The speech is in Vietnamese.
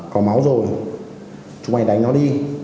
có máu rồi chúng mày đánh nó đi